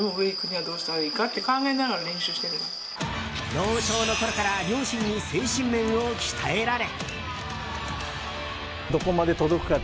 幼少のころから両親に精神面を鍛えられ。